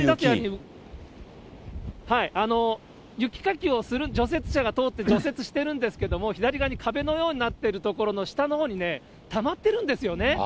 はい、雪かきをする除雪車が通って除雪してるんですけれども、左側に壁のようになってる所の下のほうにね、たまってるんですよね。